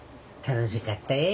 楽しかったえ。